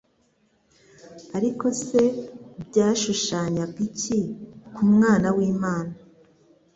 Ariko se byashushanyaga iki k'Umwana w'Imana